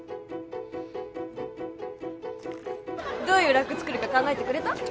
どういうラック作るか考えてくれた？